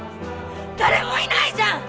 誰もいないじゃん！